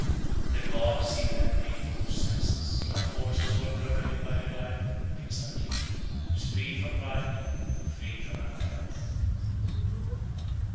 94. The gods even envy him whose senses, like horses well broken in by the driver, have been subdued, who is free from pride, and free from appetites.